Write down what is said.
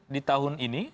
di tahun ini